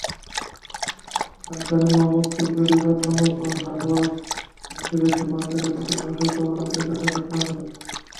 রাজধানীর মোহাম্মদপুর বেড়িবাঁধ-সংলগ্ন হার্ডওয়্যার সামগ্রীর একটি মার্কেটে গতকাল শুক্রবার অগ্নিকাণ্ডের ঘটনা ঘটেছে।